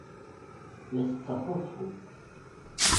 La setteɣ taḍeffut.